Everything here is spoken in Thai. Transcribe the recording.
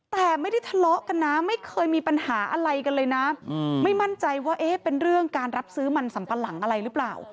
แต่ไม่ได้ทะเลาะกันนะไม่เคยมีปัญหาอะไรกันเลยนะไม่มั่นใจว่าเอ๊ะเป็นเรื่องการรับซื้อมันสัมปะหลังอะไรหรือเปล่า